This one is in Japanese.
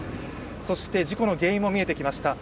そして、事故の原因も見えてきました。